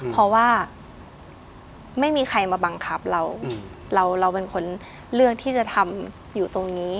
เพราะว่าไม่มีใครมาบังคับเราเราเป็นคนเลือกที่จะทำอยู่ตรงนี้